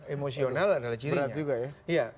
emosional adalah cirinya